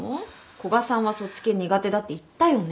古賀さんはそっち系苦手だって言ったよね。